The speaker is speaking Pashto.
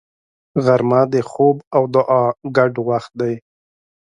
غرمه د خوب او دعا ګډ وخت دی